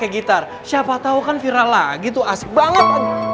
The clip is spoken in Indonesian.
gitar siapa tau kan viral lagi tuh asik banget